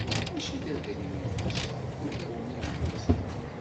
Mačči d adrim i ixuṣṣen, d ulawen i yemmuten.